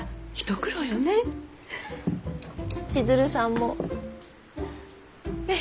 千鶴さんも？ええ。